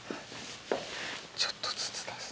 ちょっとずつ出す？